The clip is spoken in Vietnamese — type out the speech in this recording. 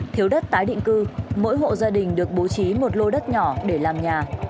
thiếu đất tái định cư mỗi hộ gia đình được bố trí một lô đất nhỏ để làm nhà